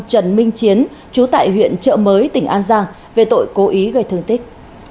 trần minh chiến chú tại huyện trợ mới tỉnh an giang về tội cố ý gây thương tích